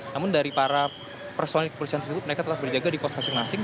namun dari para personil kepolisian tersebut mereka tetap berjaga di pos masing masing